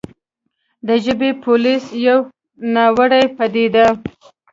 د «ژبې پولیس» يوه ناوړې پديده